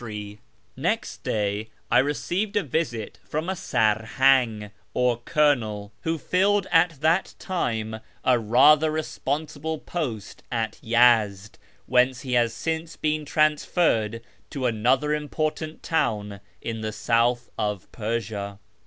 39S A YEAR AMONGST THE PERSIANS Next day I received a visit from a sarliang, or colonel, who lilled at that time a rather responsil)lc post at Yezd, whence he has since been transferred to another important town in the south of Persia.